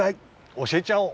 おしえちゃおう！